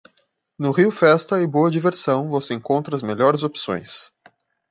No RioFesta e Boa Diversão você encontra as melhores opções.